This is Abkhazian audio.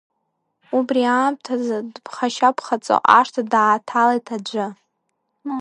Убри аамҭазы, дыԥхашьа-ԥхаҵо ашҭа дааҭалеит аӡәы.